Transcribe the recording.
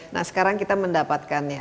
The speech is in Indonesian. nah sekarang kita mendapatkannya